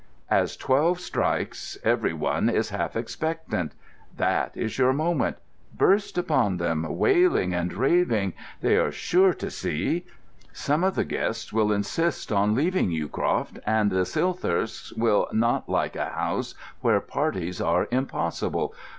As twelve strikes every one is half expectant. That is your moment. Burst upon them, wailing and raving. They are sure to see. Some of the guests will insist on leaving Yewcroft, and the Silthirsks will not like a house where parties are impossible.